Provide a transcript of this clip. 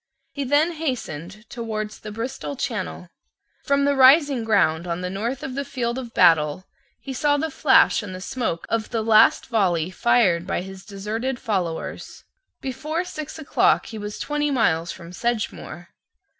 He then hastened towards the Bristol Channel. From the rising ground on the north of the field of battle he saw the flash and the smoke of the last volley fired by his deserted followers. Before six o'clock he was twenty miles from Sedgemoor.